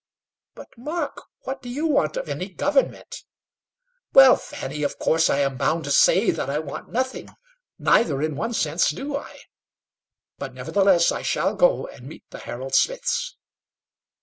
"But, Mark, what do you want of any government?" "Well, Fanny, of course I am bound to say that I want nothing; neither in one sense do I; but nevertheless, I shall go and meet the Harold Smiths."